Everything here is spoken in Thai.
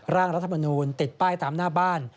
ร่างรัฐมนูลติดป้ายตามหน้าบ้าน